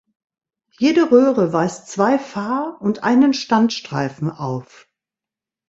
Jede Röhre weist zwei Fahr- und einen Standstreifen auf.